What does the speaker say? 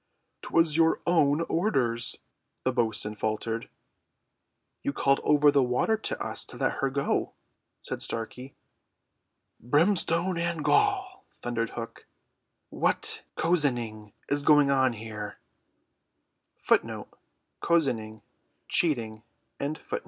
"'Twas your own orders," the bo'sun faltered. "You called over the water to us to let her go," said Starkey. "Brimstone and gall," thundered Hook, "what cozening is going on here!"